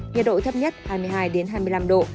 nhiệt độ thấp nhất hai mươi hai hai mươi năm độ